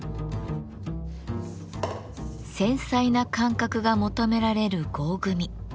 繊細な感覚が求められる合組。